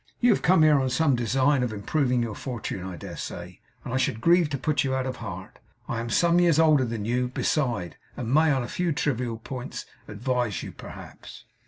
You have come here on some design of improving your fortune, I dare say; and I should grieve to put you out of heart. I am some years older than you, besides; and may, on a few trivial points, advise you, perhaps.